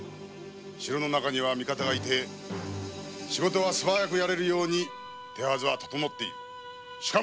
城の中には味方がいて仕事は素早くやれるように手はずは整っている。